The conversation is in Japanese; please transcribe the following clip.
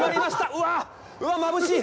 うわぁ、うわっ、まぶしい！